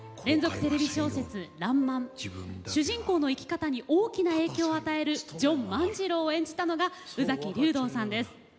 主人公の生き方に大きな影響を与えるジョン万次郎を演じたのが宇崎竜童さんです。